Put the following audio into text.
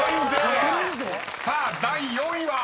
［さあ第４位は？］